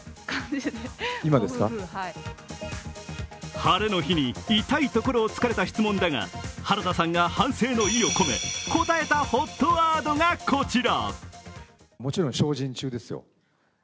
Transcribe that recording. ハレの日に痛いところを突かれた質問だが原田さんが反省の意を込め、答えたワードがこちら。